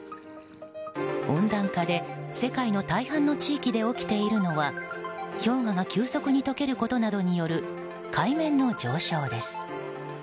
温暖化で世界の大半の地域で起きているのは氷河が急速に解けることなどによる海面の上昇です。